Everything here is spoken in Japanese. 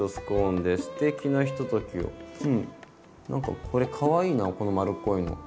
なんかこれかわいいなこの丸っこいの。